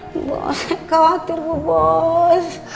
bu bos gak khawatir bu bos